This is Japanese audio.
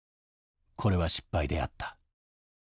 これは失敗であった。